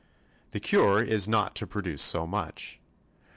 The cure is not to produce so much.